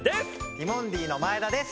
ティモンディの前田です。